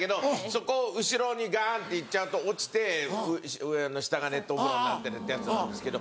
そこを後ろにガンっていっちゃうと落ちて下が熱湯風呂になってるってやつなんですけど。